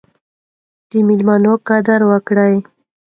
د میلمه قدر وکړئ.